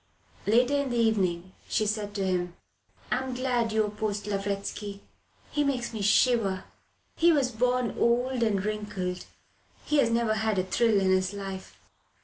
Later in the evening she said to him: "I'm glad you opposed Lavretsky. He makes me shiver. He was born old and wrinkled. He has never had a thrill in his life."